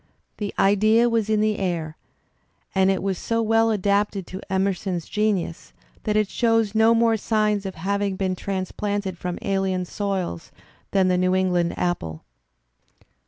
The idea was in th e air and it was so weU adapted to Emerson's genius that it shows no more signs of having been transplanted from alien soils than the New England apple.